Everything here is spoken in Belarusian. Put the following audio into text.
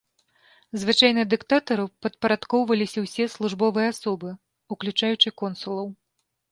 Звычайна дыктатару падпарадкоўваліся ўсе службовыя асобы, уключаючы консулаў.